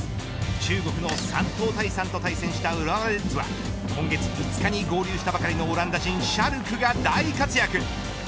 中国の山東泰山と対戦した浦和レッズは今月５日に合流したばかりのオランダ人シャルクが大活躍。